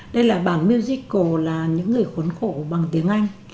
đây là bản musical là những người khốn khổ bằng tiếng anh